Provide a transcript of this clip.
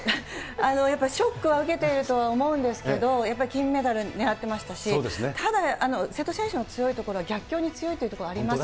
やっぱりショックは受けているとは思うんですけど、やっぱり金メダル狙ってましたし、ただ、瀬戸選手の強いところは、逆境に強いところはあります。